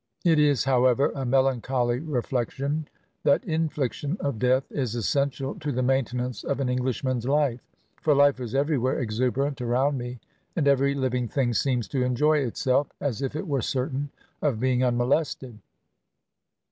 It is, however, a melancholy reflection that infliction of death is essential to the maintenance of an Englishman's life. For Hfe is everywhere exuberant around me, and every living thing seems to enjoy itself, as if it were certain of being unmolested.